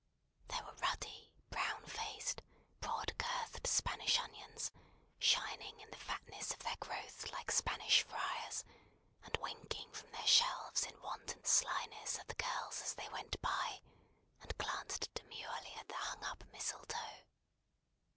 There were ruddy, brown faced, broad girthed Spanish Onions, shining in the fatness of their growth like Spanish Friars, and winking from their shelves in wanton slyness at the girls as they went by, and glanced demurely at the hung up mistletoe.